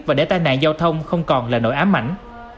và để tai nạn giao thông không còn là nỗi ám ảnh